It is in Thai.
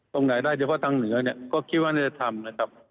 ตรงไหนได้เฉพาะทางเหนือเนี่ยก็คิดว่าน่าจะทำนะครับ